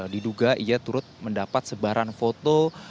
diduga ia turut mendapat sebaran foto